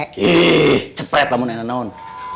ih cepet lah mu nenek non